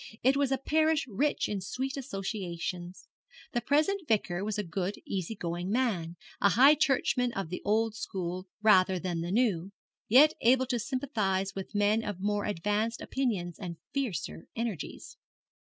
It was a parish rich in sweet associations. The present Vicar was a good, easy going man, a High Churchman of the old school rather than the new, yet able to sympathize with men of more advanced opinions and fiercer energies.